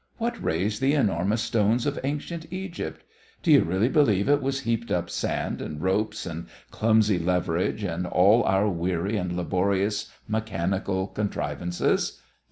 What raised the enormous stones of ancient Egypt? D'you really believe it was heaped up sand and ropes and clumsy leverage and all our weary and laborious mechanical contrivances?